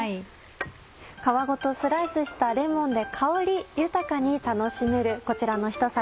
皮ごとスライスしたレモンで香り豊かに楽しめるこちらのひと皿。